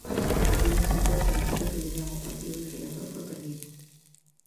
O xuíz instrutor solicita que lle dean o partido de Riazor por perdido.